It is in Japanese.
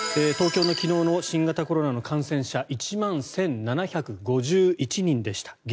東京の昨日の新型コロナの感染者１万１７５１人でした。